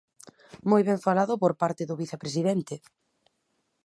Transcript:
Moi ben falado por parte do vicepresidente.